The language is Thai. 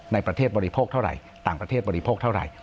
ในประเทศบริโภคเท่าไหร่ต่างประเทศบริโภคเท่าไหร่